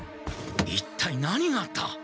一体何があった！？